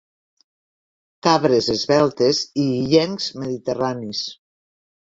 Cabres esveltes i illencs mediterranis.